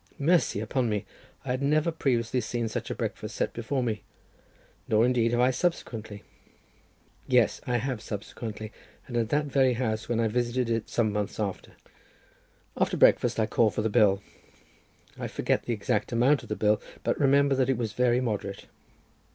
Mercy upon me! I had never previously seen such a breakfast set before me, nor, indeed, have I subsequently. Yes, I have subsequently, and at that very house, when I visited it some months after. After breakfast I called for the bill. I forget the exact amount of the bill, but remember that it was very moderate.